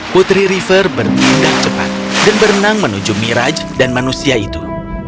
putri river bertindak cepat dan berenang menuju miraj dan manusia itu